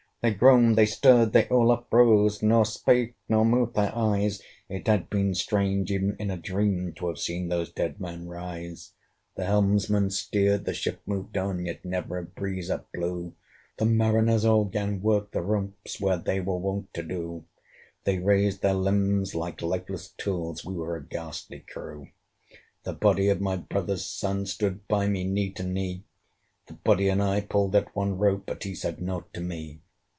They groaned, they stirred, they all uprose, Nor spake, nor moved their eyes; It had been strange, even in a dream, To have seen those dead men rise. The helmsman steered, the ship moved on; Yet never a breeze up blew; The mariners all 'gan work the ropes, Where they were wont to do: They raised their limbs like lifeless tools We were a ghastly crew. The body of my brother's son, Stood by me, knee to knee: The body and I pulled at one rope, But he said nought to me.